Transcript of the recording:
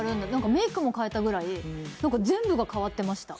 メイクも変えたぐらい、全部が変わってました。